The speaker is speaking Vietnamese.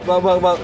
vâng vâng vâng